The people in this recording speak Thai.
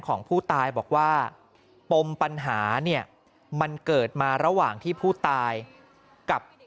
ของผู้ตายบอกว่าปมปัญหาเนี่ยมันเกิดมาระหว่างที่ผู้ตายกับ